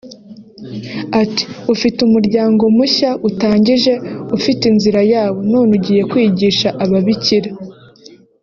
Ati“Ufite umuryango mushya utangije ufite inzira yawo noneho ugiye kwigisha ababikira